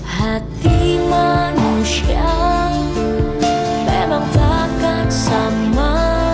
ya memang takkan sama